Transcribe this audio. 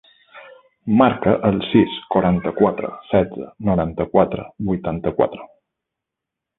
Marca el sis, quaranta-quatre, setze, noranta-quatre, vuitanta-quatre.